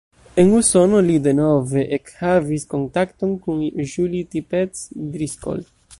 En Usono li denove ekhavis kontakton kun Julie Tippetts-Driscoll.